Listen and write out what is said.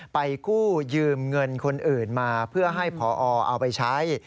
กู้ยืมเงินคนอื่นมาเพื่อให้พอเอาไปใช้